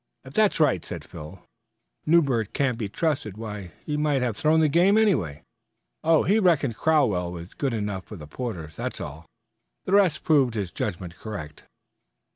"If that's right," said Phil, "Newbert can't be trusted. Why, he might have thrown the game away." "Oh, he reckoned Crowell was good enough for the Porters, that's all. The result proved his judgment correct."